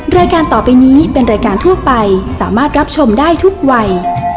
รายการต่อไปนี้เป็นรายการทั่วไปสามารถรับชมได้ทุกวัย